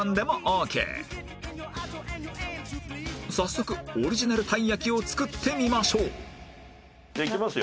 早速オリジナルたい焼きを作ってみましょういきますよ